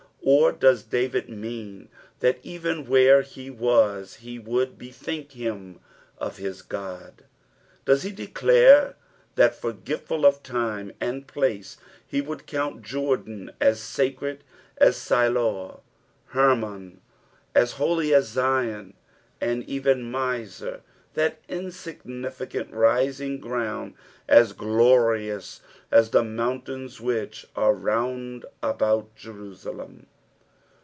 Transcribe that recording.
Or does David mean that even where he was he would bethink, him of his God ; does be declare that, forgetful of time and place, he would count Jordan as eacred as Siloa, Hermon as holy as Zion, and even Hizar, that inaigalficant rising ground, as glorious as the mountsins which are round about Jerusalem